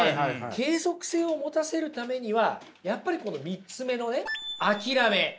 継続性を持たせるためにはやっぱりこの３つ目のね諦め。